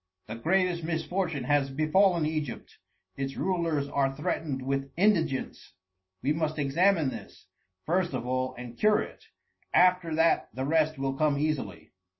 The greatest misfortune has befallen Egypt: its rulers are threatened with indigence. We must examine this, first of all, and cure it; after that the rest will come easily."